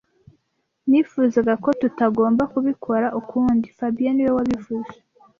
Nifuzaga ko tutagomba kubikora ukundi fabien niwe wabivuze